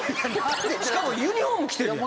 しかもユニホーム着てるやん。